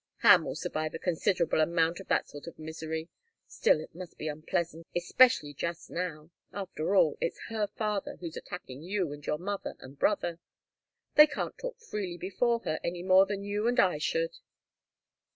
"Ham will survive a considerable amount of that sort of misery. Still, it must be unpleasant, especially just now. After all, it's her father who's attacking you and your mother and brother. They can't talk freely before her any more than you and I should."